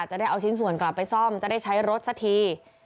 จะได้เอาชิ้นส่วนกลับไปซ่อมจะได้ใช้รถสักที